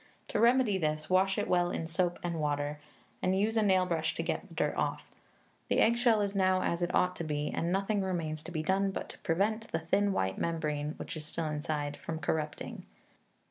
To remedy this, wash it well in soap and water, and use a nail brush to get the dirt off. The eggshell is now as it ought to be, and nothing remains to be done but to prevent the thin white membrane (which is still inside) from corrupting.